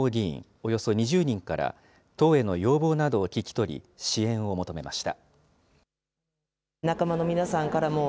およそ２０人から党への要望などを聞き取り、支援を求めました。